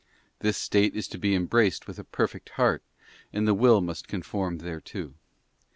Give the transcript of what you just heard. This state is to be embraced with a perfect heart, and the will must conform thereto.